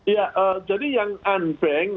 ya jadi yang angbeng